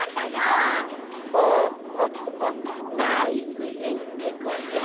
フォッフォッフォナイスへんてこじゃ！